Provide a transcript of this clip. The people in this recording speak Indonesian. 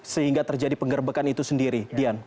sehingga terjadi penggerbegan itu sendiri